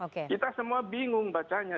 kita semua bingung bacanya